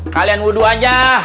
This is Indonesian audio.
kalian wudu aja